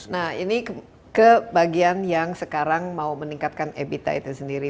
nah ini ke bagian yang sekarang mau meningkatkan ebita itu sendiri